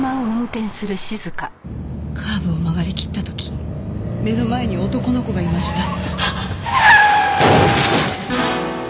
カーブを曲がりきった時目の前に男の子がいました。